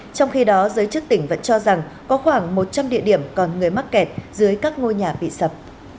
trong khi đó giới chức tỉnh vẫn cho rằng có khoảng một trăm linh địa điểm còn người mắc kẹt dưới các ngôi nhà bị sập